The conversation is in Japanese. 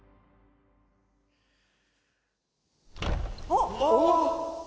あっ！